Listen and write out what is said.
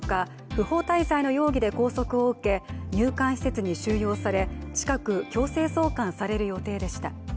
不法滞在の容疑で拘束を受け入管施設に収容され近く、強制送還される予定でした。